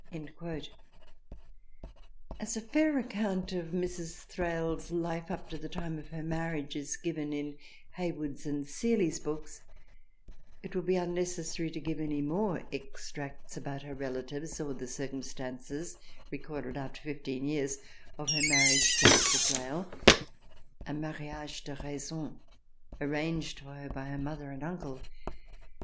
As a fair account of Mrs. Thrale's Life up to the time of her marriage is given in Hayward's and Seeley's books it will be unnecessary to give any more extracts about her relatives or the circumstances, recorded after fifteen years, of her marriage to Mr. Thrale, a mariage de Raison arranged for her by her Mother and Uncle.